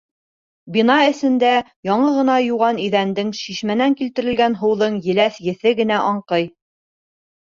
Бина эсендә яңы йыуған иҙәндең, шишмәнән килтергән һыуҙың еләҫ еҫе генә аңҡый.